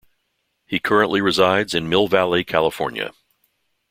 He currently resides in Mill Valley, California.